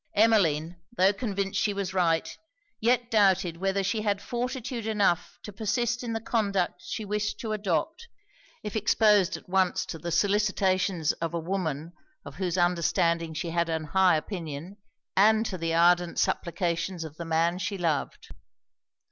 Emmeline, tho' convinced she was right, yet doubted whether she had fortitude enough to persist in the conduct she wished to adopt; if exposed at once to the solicitations of a woman of whose understanding she had an high opinion, and to the ardent supplications of the man she loved.